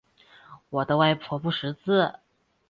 我的外婆不识字